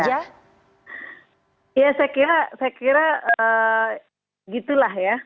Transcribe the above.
ya saya kira saya kira gitu lah ya